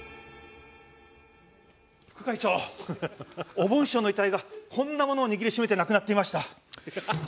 おぼん師匠の遺体がこんなものを握り締めて亡くなっていました。